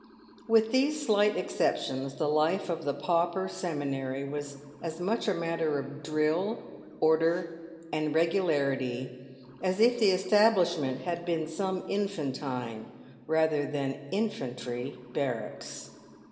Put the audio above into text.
With these slight exceptions, the life of the pauper seminary was as much a matter of drill, order, and regularity, as if the establish ment had been some infantine rather than infantry barracks.